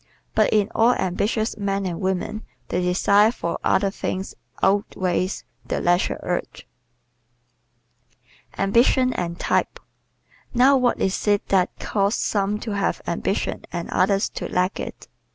But in all ambitious men and women the desire for other things outweighs the leisure urge. Ambition and Type ¶ Now what is it that causes some to have ambition and others to lack it?